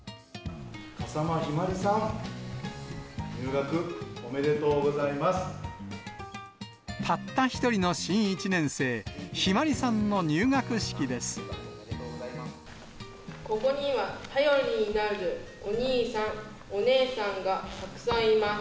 笠間陽葵さん、入学おめでとたった１人の新１年生、ここには頼りになるお兄さん、お姉さんがたくさんいます。